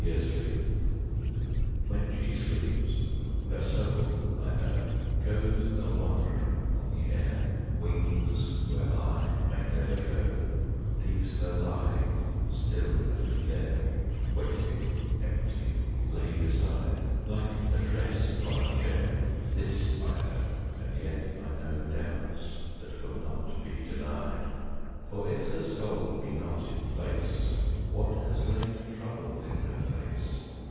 DOUBTS When she sleeps, her soul, I know, Goes a wanderer on the air, Wings where I may never go, Leaves her lying, still and fair, Waiting, empty, laid aside, Like a dress upon a chair.... This I know, and yet I know Doubts that will not be denied. For if the soul be not in place, What has laid trouble in her face?